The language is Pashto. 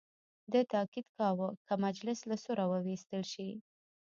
ده تاکید کاوه که مجلس له سوره وویستل شي.